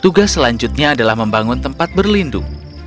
tugas selanjutnya adalah membangun tempat berlindung